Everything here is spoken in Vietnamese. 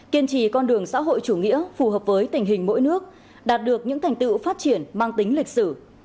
kiên trì con đường xã hội chủ nghĩa phù hợp với tình hình mỗi nước đạt được những thành tựu phát triển mang tính lịch sử